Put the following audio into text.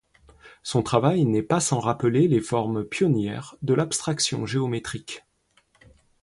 Son travail n'est pas sans rappeler les formes pionnières de l'abstraction géométrique.